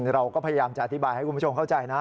เราก็พยายามจะอธิบายให้คุณผู้ชมเข้าใจนะ